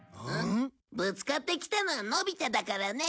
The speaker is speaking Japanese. ぶつかってきたのはのび太だからね。